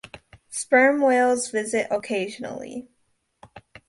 Sperm whales visit occasionally.